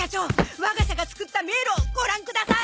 我が社が作った迷路をご覧ください。